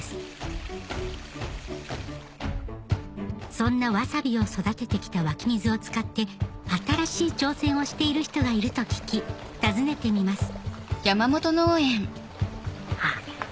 そんなわさびを育ててきた湧き水を使って新しい挑戦をしている人がいると聞き訪ねてみますあっ。